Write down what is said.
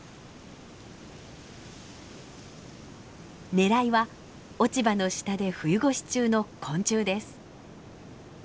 狙いは落ち葉の下で冬越し中の昆虫です。